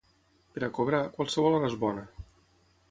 Per a cobrar, qualsevol hora és bona.